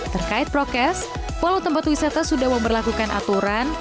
terkait prokes walau tempat wisata sudah memperlakukan aturan